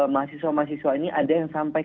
mahasiswa mahasiswa ini ada yang sampai